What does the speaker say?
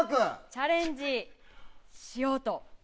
チャレンジをしようと。